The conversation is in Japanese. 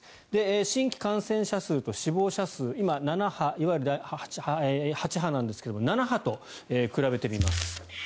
新規感染者数と死亡者数今、８波なんですが７波と比べてみます。